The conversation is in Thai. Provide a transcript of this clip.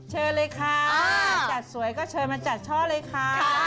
เชิญเลยค่ะจัดสวยก็เชิญมาจัดช่อเลยค่ะ